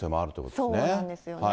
そうなんですよね。